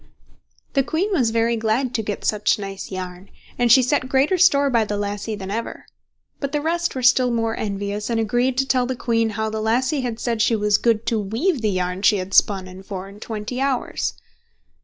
The queen was very glad to get such nice yarn, and she set greater store by the lassie than ever. But the rest were still more envious, and agreed to tell the queen how the lassie had said she was good to weave the yarn she had spun in four and twenty hours.